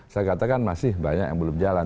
saya katakan masih banyak yang belum jalan